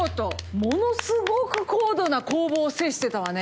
ものすごく高度な攻防を制してたわね。